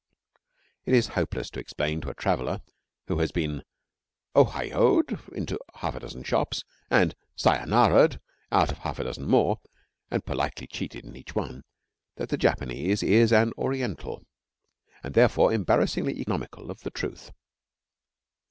It is hopeless to explain to a traveller who has been 'ohayoed' into half a dozen shops and 'sayonaraed' out of half a dozen more and politely cheated in each one, that the Japanese is an Oriental, and, therefore, embarrassingly economical of the truth.